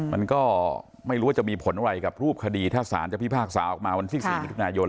มันก็ไม่รู้ว่าจะมีผลอะไรกับรูปคดีถ้าสารจะพิพากษาออกมาวันที่๔มิถุนายน